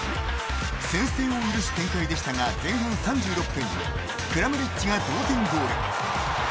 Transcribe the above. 先制を許す展開でしたが前半３６分クラマリッチが同点ゴール。